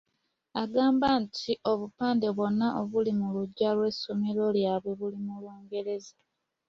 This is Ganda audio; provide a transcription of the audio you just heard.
Agamba nti obupande bwonna obuli mu luggya lw'essomero lyabwe buli mu Lungereza.